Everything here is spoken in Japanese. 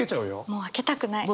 もう開けたくない。